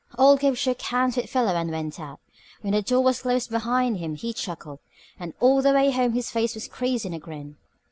Old Gabe shook hands with Philo and went out. When the door was closed behind him he chuckled, and all the way home his face was creased in a grin.